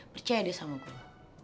percaya deh sama gue